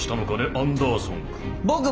アンダーソンくん。